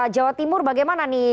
jawa timur bagaimana nih